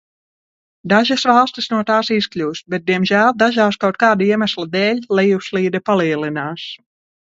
Dažas valstis no tās izkļūst, bet diemžēl dažās kaut kāda iemesla dēļ lejupslīde palielinās.